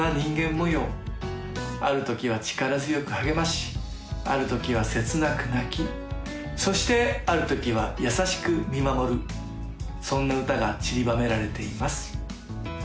模様ある時は力強く励ましある時は切なく泣きそしてある時は優しく見守るそんな歌がちりばめられています